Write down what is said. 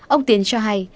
ông tiến cho hay